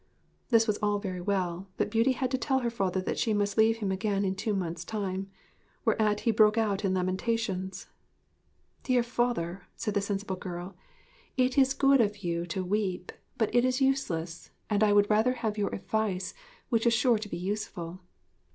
This was all very well, but Beauty had to tell her father that she must leave him again in two months' time; whereat he broke out into lamentations. 'Dear father,' said the sensible girl, 'it is good of you to weep; but it is useless, and I would rather have your advice, which is sure to be useful.'